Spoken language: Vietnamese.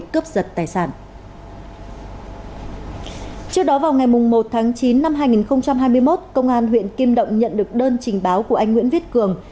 cơ quan công an huyện kim động nhận được đơn trình báo của anh nguyễn viết cường